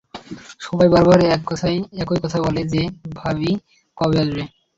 সবাই বারবার একই কথা বলে যে ভাবি কবে আসবে।